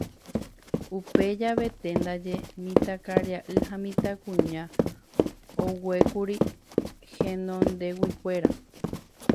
Upe javete ndaje mitãkaria'y ha mitãkuña oguékuri henondeguikuéra.